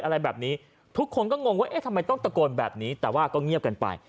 อะไรแบบนี้ทุกคนก็งงว่าเอ๊ะทำไมต้องตะโกนแบบนี้แต่ว่าก็เงียบกันไป